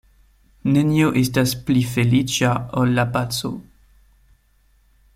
Nenio estas pli feliĉa ol la paco.